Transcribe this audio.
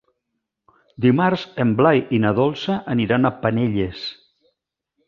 Dimarts en Blai i na Dolça aniran a Penelles.